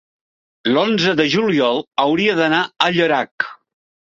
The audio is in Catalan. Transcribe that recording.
l'onze de juliol hauria d'anar a Llorac.